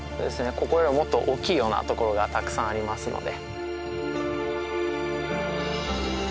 ここよりもっと大きいようなところがたくさんありますので。